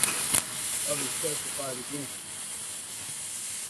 Others testified against him.